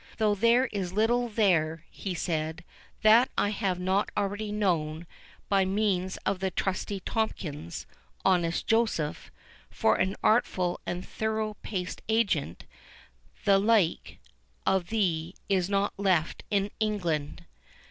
"Though there is little there," he said, "that I have not already known, by means of Trusty Tomkins—Honest Joseph—for an artful and thorough paced agent, the like of thee is not left in England."